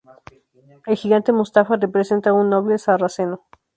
El gigante Mustafá representa un noble sarraceno.